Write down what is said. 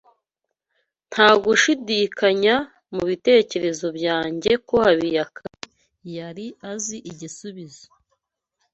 Nta gushidikanya mu bitekerezo byanjye ko Habiyakare yari azi igisubizo.